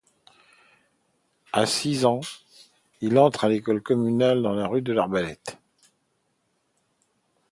À six ans, il entre à l'école communale de la rue de l'Arbalète.